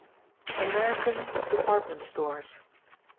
(American) Department Stores.